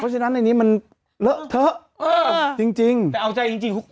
เพราะฉะนั้นอันนี้มันเหลือเถอะเออจริงจริงแต่เอาใจจริงจริง